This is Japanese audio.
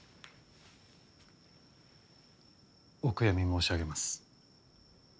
お悔やみ申し上げます。